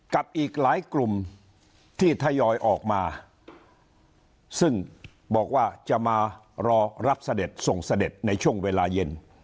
กับอีกหลายกลุ่มที่ทยอยออกมาซึ่งบอกว่าจะมารอรับเสด็จส่งเสด็จในช่วงเวลาเย็น